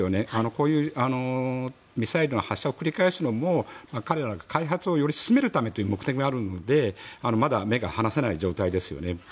こういうミサイルの発射を繰り返すのも彼らが開発をより進めるためという目的があるのでまだ目が離せない状態ですよね。